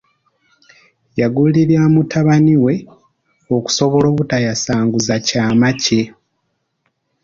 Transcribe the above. Yagulirira mutabani we okusobola obutayasanguza kyama kye.